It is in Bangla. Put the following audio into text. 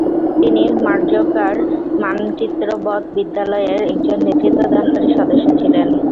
তিনি মাজোর্কার মানচিত্রবৎ বিদ্যালয়-এর একজন নেতৃত্বদানকারী সদস্য ছিলেন।